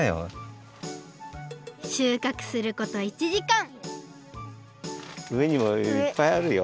しゅうかくすること１じかんうえにもいっぱいあるよ。